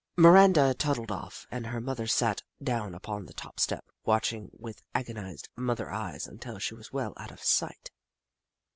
Miranda toddled off, and her mother sat down upon the top step, watching her with agonised mother eyes until she was well out of sight.